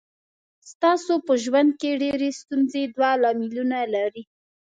ستاسو په ژوند کې ډېرې ستونزې دوه لاملونه لري.